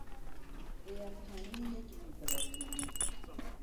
پیافکنی یک امپراطوری